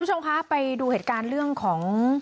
คุณผู้ชมคะไปดูเหตุการณ์เรื่องของ